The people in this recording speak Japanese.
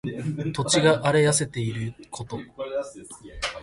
土地が荒れ痩せていること。